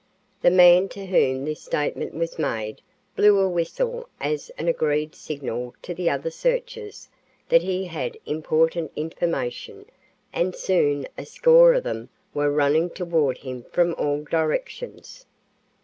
The man to whom this statement was made blew a whistle as an agreed signal to the other searchers that he had important information and soon a score of them were running toward him from all directions.